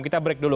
kita break dulu